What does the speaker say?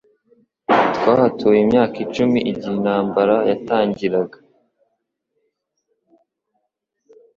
Twahatuye imyaka icumi igihe intambara yatangiraga